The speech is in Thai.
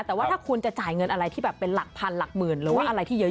แต่ว่าถ้าคุณจะจ่ายเงินอะไรที่แบบเป็นหลักพันหลักหมื่นหรือว่าอะไรที่เยอะ